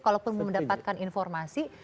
kalaupun mendapatkan informasi